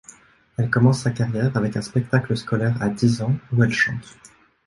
Elle commence sa carrière avec un spectacle scolaire à dix ans où elle chante.